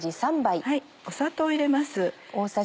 砂糖を入れます。